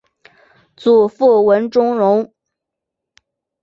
祖父文仲荣。